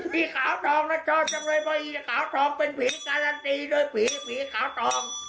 นี่ขาวทองน่ะชอบจังเลยเพราะนี่ขาวทองเป็นผีการันตีด้วยผีผีขาวทอง